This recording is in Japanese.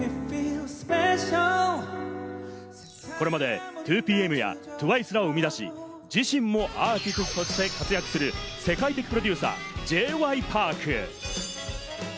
これまで２ＰＭやＴＷＩＣＥらを生み出し、自身もアーティストとして活躍する世界的プロデューサー、Ｊ．Ｙ．Ｐａｒｋ。